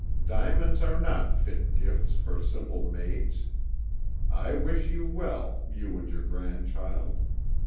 Diamonds are not fit gifts for simple maids. I wish you well, you and your grandchild.